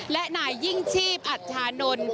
และนายยิ่งชีพอัชชานนท์